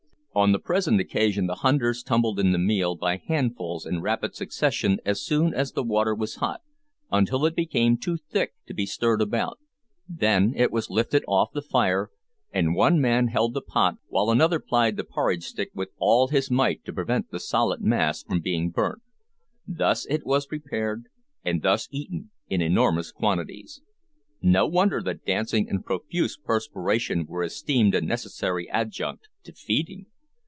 On the present occasion the hunters tumbled in the meal by handfuls in rapid succession as soon as the water was hot, until it became too thick to be stirred about, then it was lifted off the fire, and one man held the pot while another plied the porridge stick with all his might to prevent the solid mass from being burnt. Thus it was prepared, and thus eaten, in enormous quantities. No wonder that dancing and profuse perspiration were esteemed a necessary adjunct to feeding!